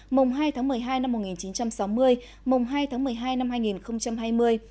mùng hai tháng một mươi hai năm một nghìn chín trăm sáu mươi mùng hai tháng một mươi hai năm hai nghìn hai mươi